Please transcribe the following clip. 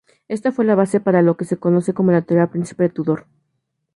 Esta fue la base para lo que se conoce como la teoría Príncipe Tudor.